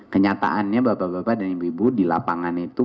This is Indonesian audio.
kenyataannya bapak bapak dan ibu ibu di lapangan itu